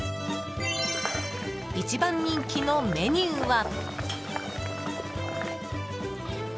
一番人気のメニューは。